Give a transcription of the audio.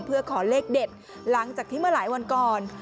เพื่อขอเลขเด็ดหลังจากที่เมื่อหลายวันก่อน